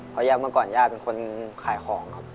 เพราะย่าเมื่อก่อนย่าเป็นคนขายของครับ